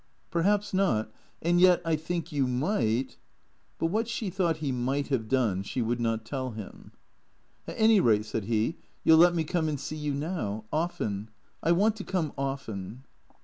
" Perhaps not. And yet, I think, you might But what she thought he might have done she would not tell him. " At any rate," said he, " you '11 let me come and see you now? Often; I want to come often."